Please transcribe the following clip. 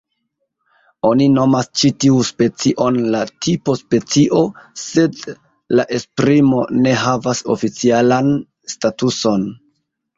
Oni nomas ĉi tiu specion la "tipo-specio" sed la esprimo ne havas oficialan statuson.